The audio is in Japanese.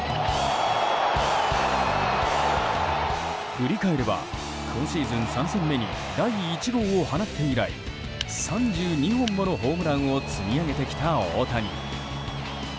振り返れば今シーズン３戦目に第１号を放って以来３２本ものホームランを積み上げてきた大谷。